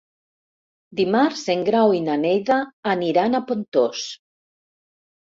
Dimarts en Grau i na Neida aniran a Pontós.